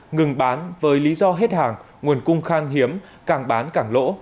ngừng bán với lý do hết hàng nguồn cung khan hiếm càng bán càng lỗ